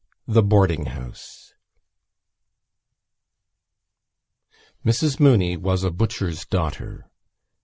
THE BOARDING HOUSE Mrs Mooney was a butcher's daughter.